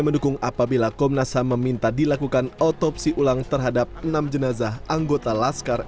mendukung apabila komnas ham meminta dilakukan otopsi ulang terhadap enam jenazah anggota laskar